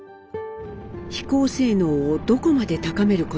飛行性能をどこまで高めることができるか。